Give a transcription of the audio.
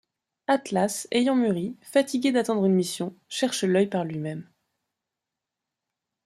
Atlas, ayant mûri, fatigué d'attendre une mission, cherche L’Œil par lui-même.